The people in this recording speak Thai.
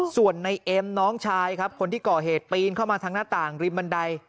ส่วนในเอ็มน้องชายครับคนที่ก่อเหตุปีนเข้ามาทางหน้าต่างริมบันได